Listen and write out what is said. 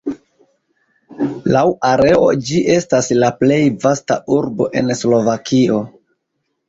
Laŭ areo ĝi estas la plej vasta urbo en Slovakio.